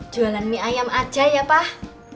jualan mie ayam aja ya pak